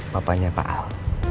bapaknya pak al